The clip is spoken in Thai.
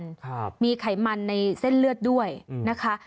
ครับมีไขมันในเส้นเลือดด้วยอืมนะคะ